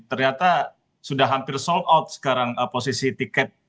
ternyata sudah hampir sold out sekarang posisi tiket